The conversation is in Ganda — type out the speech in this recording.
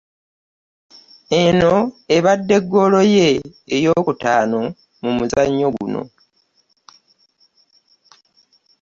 Eno ebadde ggoolo ye eyookutaano mu muzannyo guno.